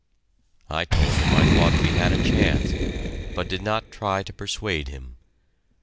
I told him I thought we had a chance, but did not try to persuade him.